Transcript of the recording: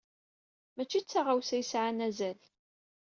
Maci d taɣawsa ay yesɛan azal.